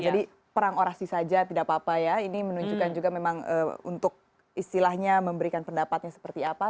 jadi perang orasi saja tidak apa apa ya ini menunjukkan juga memang untuk istilahnya memberikan pendapatnya seperti apa